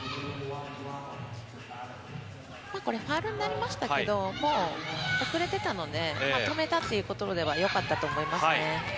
これ、ファウルになりましたけど、もう遅れてたので、止めたというところではよかったと思いますね。